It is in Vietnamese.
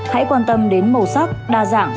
hãy quan tâm đến màu sắc đa dạng